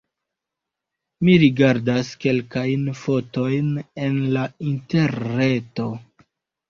Mi rigardas kelkajn fotojn en la interreto.